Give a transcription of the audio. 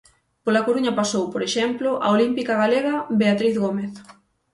Pola Coruña pasou, por exemplo, a olímpica galega Beatriz Gómez.